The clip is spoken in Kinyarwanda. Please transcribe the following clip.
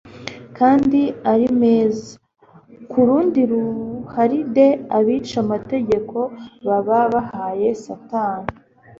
kandi ari meza'S. Ku rundi ruharide abica amategeko baba bahaye Satani